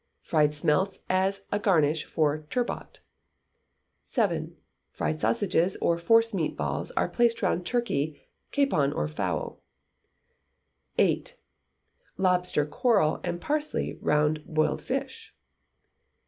Fried smelts as garnish for turbot. vii. Fried sausages or forcemeat balls are placed round turkey, capon, or fowl. viii. Lobster coral and parsley round boiled fish.